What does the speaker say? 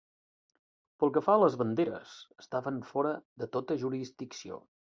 Pel que fa a les banderes, estaven fora de tota jurisdicció.